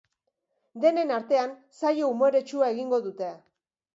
Denen artean, saio umoretsua egingo dute.